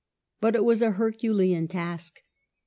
But it was a herculean task.